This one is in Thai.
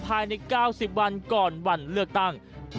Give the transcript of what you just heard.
ภายใน๙๐วันก่อนวันเลือกตั้ง